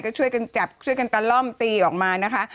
ก็ช่วยกันจับช่วยกันตะล่อมตีออกมานะคะ